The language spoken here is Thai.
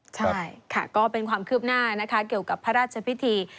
ใช่ค่ะก็เป็นความคืบหน้านะคะเกี่ยวกับพระราชพิธี